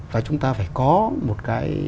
và chúng ta phải có một cái